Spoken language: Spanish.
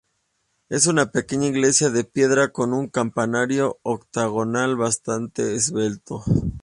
Es una pequeña iglesia de piedra, con un campanario octogonal bastante esbelto.